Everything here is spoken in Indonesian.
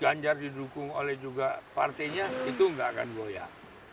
ganjar didukung oleh juga partinya itu tidak akan goyang